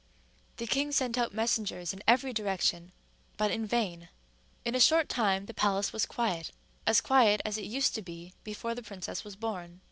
The king sent out messengers in every direction, but in vain. In a short time the palace was quiet—as quiet as it used to be before the princess was born.